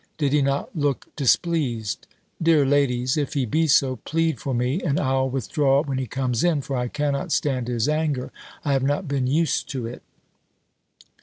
Did he not look displeased? Dear ladies, if he be so, plead for me, and I'll withdraw when he comes in; for I cannot stand his anger: I have not been used to it."